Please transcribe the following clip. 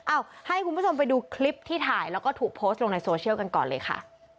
ให้คุณผู้ชมไปดูคลิปที่ถ่ายแล้วก็ถูกโพสต์ลงในโซเชียลกันก่อนเลยค่ะ